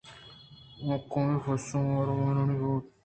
آ کمے پشومان ءُارمانی بوت